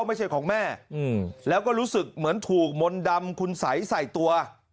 ไม่ใช่ของแม่แล้วก็รู้สึกเหมือนถูกมนต์ดำคุณสัยใส่ตัว